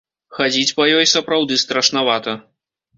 Хадзіць па ёй сапраўды страшнавата.